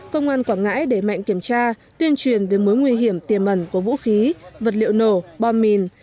công an quảng ngãi để mạnh kiểm tra tuyên truyền về mối nguy hiểm tiềm ẩn của vũ khí vật liệu nổ bom mìn